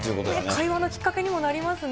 会話のきっかけにもなりますね。